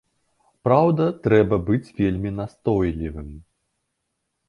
Праўда, трэба быць вельмі настойлівым.